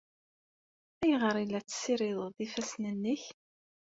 Ayɣer ay la tessirideḍ ifassen-nnek?